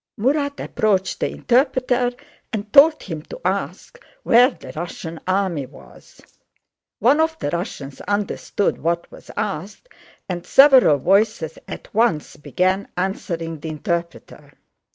Murat approached the interpreter and told him to ask where the Russian army was. One of the Russians understood what was asked and several voices at once began answering the interpreter.